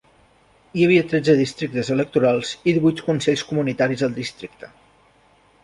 Hi havia tretze districtes electorals i divuit consells comunitaris al districte.